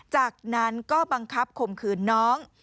จากนั้นก็บังคับข่มขืนน้อง